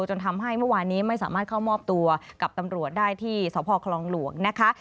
จนทำให้เมื่อวานนี้ไม่สามารถเข้ามอบตัวกับตำรวจได้ที่สพคลองหลวงนะคะ